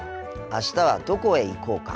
あしたはどこへ行こうか？